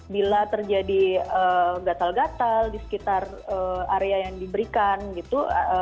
bila terjadi gatal gatal di sekitar area yang diberikan gitu